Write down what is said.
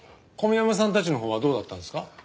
小宮山さんたちのほうはどうだったんですか？